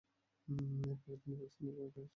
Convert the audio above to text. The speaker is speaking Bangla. এরপরই তিনি পাকিস্তানের কোয়েটায় চলে যান।